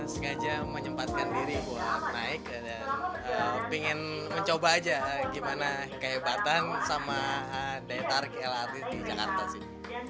sengaja menyempatkan diri buat naik dan pengen mencoba aja gimana kehebatan sama daya tarik lrt di jakarta sih